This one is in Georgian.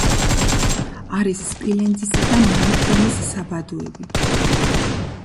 არის სპილენძისა და მოლიბდენის საბადოები.